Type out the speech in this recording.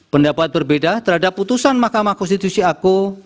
pendapat berbeda terhadap putusan mahkamah konstitusi aku